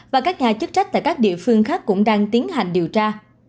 và các nhà chức trách tại các địa phương khác cũng đang tiến hành điều tra